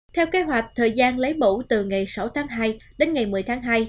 theo kế hoạch thời gian lấy mẫu từ ngày sáu tháng hai đến ngày một mươi tháng hai